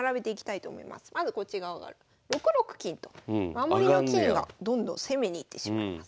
守りの金がどんどん攻めに行ってしまいます。